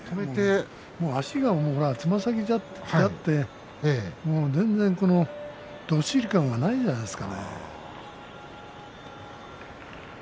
足がつま先立ちになって全然どっしり感がないじゃないですか。